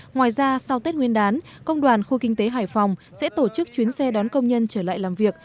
ngoài ra sau tết nguyên đán công đoàn khu kinh tế hải phòng sẽ tổ chức chuyến xe đón công nhân trở lại làm việc